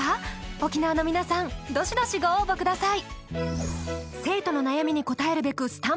沖縄の皆さんどしどしご応募ください！